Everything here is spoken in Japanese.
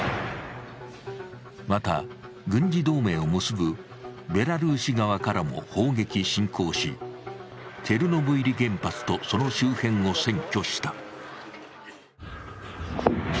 また、軍事同盟を結ぶベラルーシ側からも砲撃・侵攻し、チェルノブイリ原発とその周辺を占拠した。